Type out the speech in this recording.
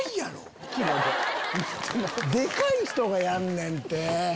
デカい人がやんねんって。